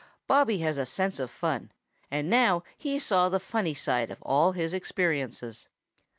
Bobby has a sense of fun, and now he saw the funny side of all his experiences.